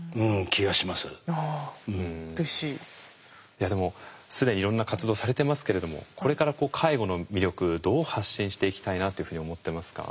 いやでも既にいろんな活動されてますけれどもこれから介護の魅力どう発信していきたいなっていうふうに思ってますか？